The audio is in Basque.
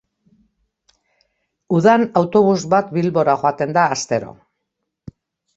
Udan autobus bat Bilbora joaten da astero.